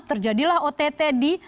terjadilah ott di